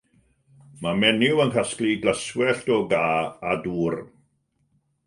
Mae menyw yn casglu glaswellt o gae â dŵr